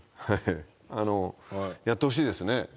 あのやってほしいですね。